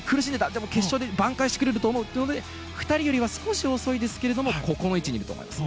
でも決勝でばん回してくれると思うというので２人よりは少し遅いですがここの位置にいると思います。